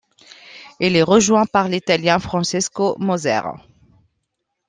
Il est rejoint par l'Italien Francesco Moser.